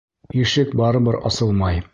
Ишек барыбер асылмай.